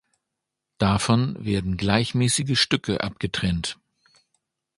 Davon werden gleichmäßige Stücke abgetrennt.